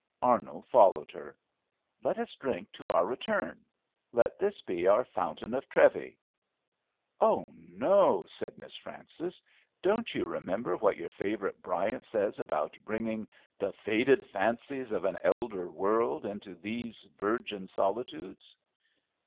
Arnold followed her. "Let us drink to our return. Let this be our fountain of Trevi." "Oh, no," said Miss Frances. "Don't you remember what your favorite Bryant says about bringing the 'faded fancies of an elder world' into these 'virgin solitudes'?"